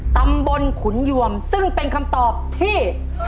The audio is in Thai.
ตำบลขุนยวมซึ่งเป็นคำตอบที่